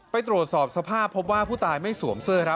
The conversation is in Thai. ไปตรวจสอบสภาพพบว่าผู้ตายไม่สวมเสื้อครับ